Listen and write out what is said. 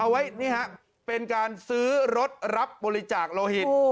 ไว้นี่ฮะเป็นการซื้อรถรับบริจาคโลหิต